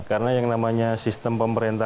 karena yang namanya sistem pemerintah